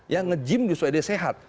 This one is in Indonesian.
ya nge gym supaya dia sehat